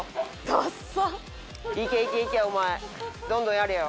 どんどんやれよ。